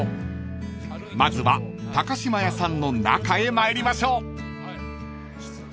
［まずは高島屋さんの中へ参りましょう］